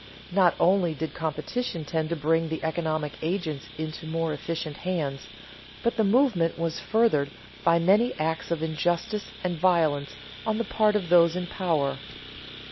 Not only did competition tend to bring the economic agents into more efficient hands, but the movement was furthered by many acts of injustice and violence on the part of those in power.